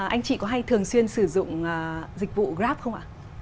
anh chị có hay thường xuyên sử dụng dịch vụ grab không ạ